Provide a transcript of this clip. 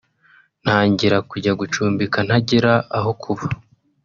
ntangira kujya gucumbika ntagira aho kuba”